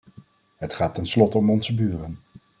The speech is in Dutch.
Het gaat tenslotte om onze buren.